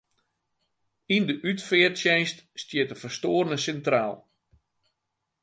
Yn de útfearttsjinst stiet de ferstoarne sintraal.